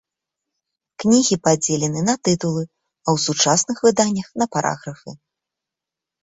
Кнігі падзелены на тытулы, а ў сучасных выданнях на параграфы.